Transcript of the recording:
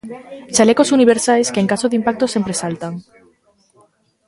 Chalecos universais que en caso de impacto sempre saltan.